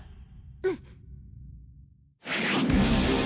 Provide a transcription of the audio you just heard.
うん！